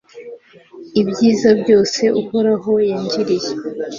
ibyiza byose uhoraho yangiriye